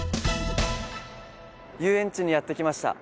遊園地にやって来ました。